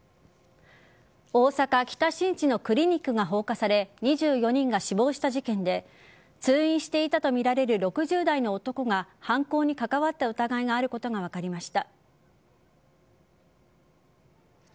大阪・北新地のクリニックが放火され２４人が死亡した事件で通院していたとみられる６０代の男が犯行に関わった疑いがあることが分かりました。